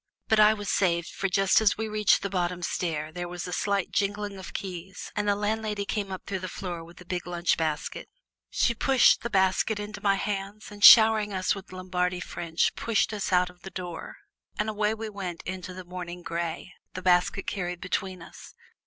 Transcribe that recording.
But I was saved, for just as we reached the bottom stair there was a slight jingling of keys, and the landlady came up through the floor with a big lunch basket. She pushed the basket into my hands and showering us with Lombardy French pushed us out of the door, and away we went into the morning gray, the basket carried between us.